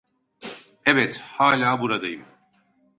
Evet, hala buradayım.